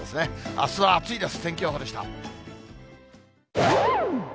あすは暑いです。